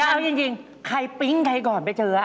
อันนี้จริงใครโปร่งใครกรองไม่เจอ